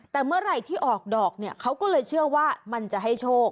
แต่เมื่อไหร่ที่ออกดอกเนี่ยเขาก็เลยเชื่อว่ามันจะให้โชค